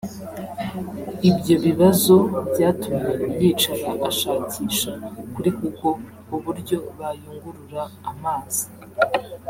Ibyo bibazo byatumye yicara ashakisha kuri google uburyo bayungurura amazi